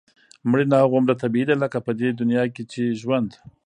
مړینه هغومره طبیعي ده لکه په دې دنیا کې چې ژوند.